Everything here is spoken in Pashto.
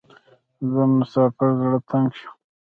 د مسافر زړه تنګ شو .